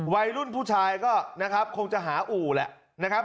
วัยรุ่นผู้ชายก็นะครับคงจะหาอู่แหละนะครับ